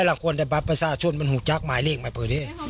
หลังคนใดบัตรประชาชนมันหูจักรหมายเลขไม่พอดี